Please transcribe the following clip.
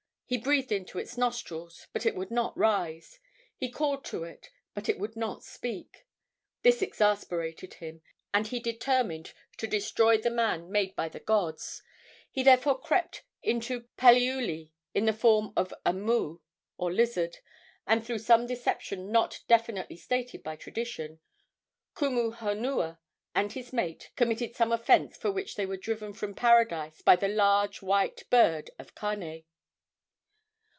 He breathed into its nostrils, but it would not rise; he called to it, but it would not speak. This exasperated him, and he determined to destroy the man made by the gods. He therefore crept into Paliuli in the form of a moo, or lizard, and, through some deception not definitely stated by tradition, Kumu honua and his mate committed some offence for which they were driven from paradise by the "large, white bird of Kane."